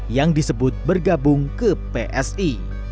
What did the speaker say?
yang disebut bergabung ke psi